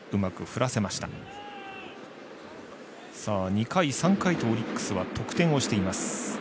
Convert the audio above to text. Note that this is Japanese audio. ２回、３回とオリックスは得点をしています。